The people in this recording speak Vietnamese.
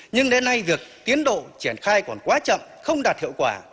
nhưng đến nay việc tiến độ triển khai còn quá chậm không đạt hiệu quả